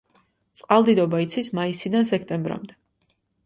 წყალდიდობა იცის მაისიდან სექტემბრამდე.